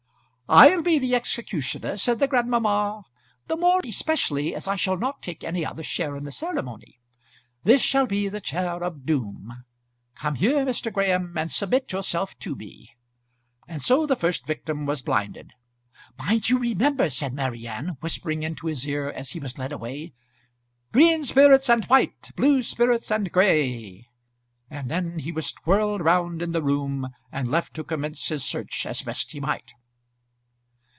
"I'll be the executioner," said grandmamma, "the more especially as I shall not take any other share in the ceremony. This shall be the chair of doom. Come here, Mr. Graham, and submit yourself to me." And so the first victim was blinded. "Mind you remember," said Marian, whispering into his ear as he was led away. "Green spirits and white; blue spirits and gray ," and then he was twirled round in the room and left to commence his search as best he might.